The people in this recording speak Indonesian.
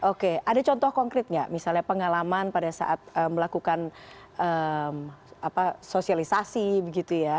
oke ada contoh konkret nggak misalnya pengalaman pada saat melakukan sosialisasi begitu ya